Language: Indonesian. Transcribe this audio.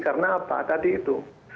karena apa tadi itu